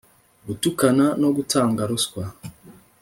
gutukana no gutanga ruswa